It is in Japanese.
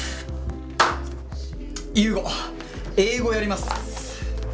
優吾英語やります。